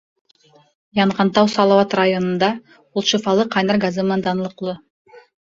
Янғантау Салауат районында, ул шифалы ҡайнар газы менән данлыҡлы.